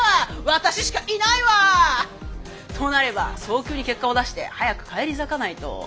私しかいないわ！となれば早急に結果を出して早く返り咲かないと！